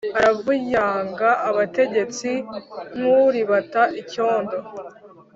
aravuyanga abategetsi nk’uribata icyondo,